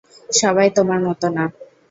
সবাই তোমার মতো না।